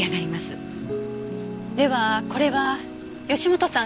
ではこれは義本さん